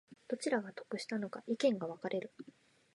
どちらが得したのか意見が分かれる